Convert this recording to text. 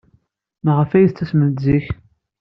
Maɣef ay d-tettasemt zik?